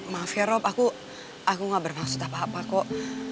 maaf ya rob aku aku gak bermaksud apa apa kok